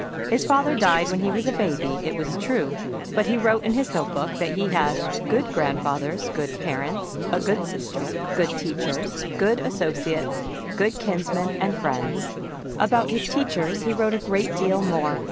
His father died when he was a baby, it was true, but he wrote in his notebook that he had "good grandfathers, good parents, a good sister, good teachers, good associates, good kinsmen and friends." About his teachers he wrote a great deal more.